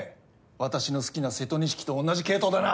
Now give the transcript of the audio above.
私の好きな瀬戸錦と同じ系統だな。